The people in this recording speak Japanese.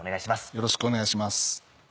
よろしくお願いします。